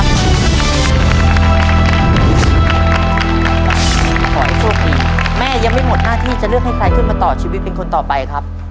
ขอให้โชคดีแม่ยังไม่หมดหน้าที่จะเลือกให้ใครขึ้นมาต่อชีวิตเป็นคนต่อไปครับ